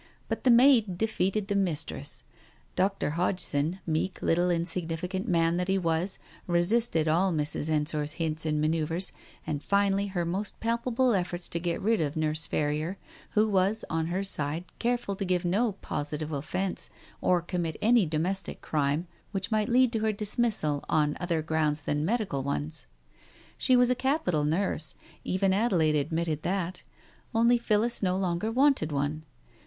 But the maid defeated the mistress. Dr. Hodgson, meek, little insignificant man that he was, resisted all Mrs Ensor's hints and manoeuvres, and finally, her most pal pable efforts to get rid of Nurse Ferrier, who was, on her side, careful to give no positive offence, or commit any domestic crime which might lead to her dismissal on other grounds than medical ones. She was a capital nurse, even Adelaide admitted that, only Phillis no longer wanted one.